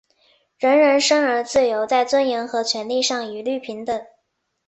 人人生而自由,在尊严和权利上一律平等。